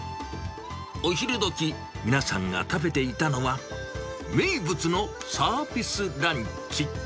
お昼どき、皆さんが食べていたのは、名物のサービスランチ。